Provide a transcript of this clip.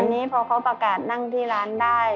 ทีนี้พอเขาประกาศนั่งที่ร้านได้